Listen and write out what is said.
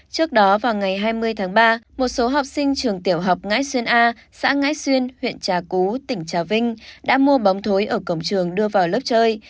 trước đó vào ngày hai mươi tháng ba một số học sinh trường tiểu học ngãi xuân a xã ngãi xuyên huyện trà cú tỉnh trà vinh đã mua bóng thối ở cổng trường đưa vào lớp chơi